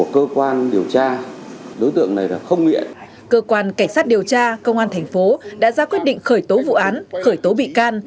cơ quan điều tra công an thành phố đã ra quyết định khởi tố vụ án khởi tố bị can